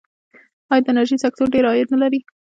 آیا د انرژۍ سکتور ډیر عاید نلري؟